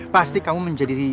pasti kamu menjadi